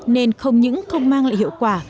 nên không những không mang lại hiệu quả